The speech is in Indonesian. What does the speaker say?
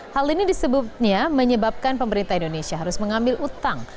hal ini disebutnya menyebabkan pemerintah indonesia harus mengambil utang